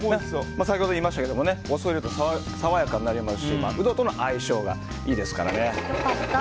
先ほども言いましたけどお酢入れますとさわやかになりますしウドとの相性がいいですからね。